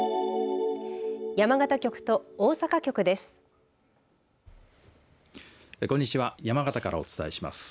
山形局と大阪局です。